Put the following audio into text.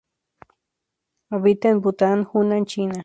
Habita en Bután, Hunan, China.